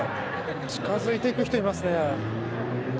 近付いていく人、いますね。